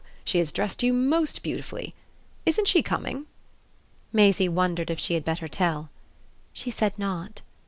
She has dressed you most beautifully. Isn't she coming?" Maisie wondered if she had better tell. "She said not."